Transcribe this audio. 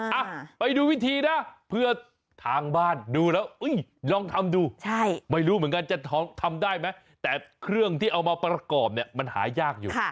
อ่ะไปดูวิธีนะเพื่อทางบ้านดูแล้วลองทำดูใช่ไม่รู้เหมือนกันจะทำได้ไหมแต่เครื่องที่เอามาประกอบเนี่ยมันหายากอยู่